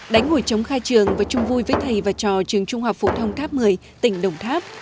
đánh hồi chống khai trường và chung vui với thầy và trò trường trung học phổ thông tháp một mươi tỉnh đồng tháp